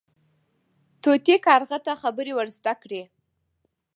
طوطي کارغه ته خبرې ور زده کړې.